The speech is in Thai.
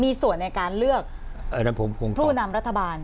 มีส่วนในการเลือกอันนั้นผมคงผู้นำรัฐบาล